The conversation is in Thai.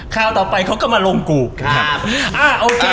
ข้าวต่อไปเขาก็มาลงกรูป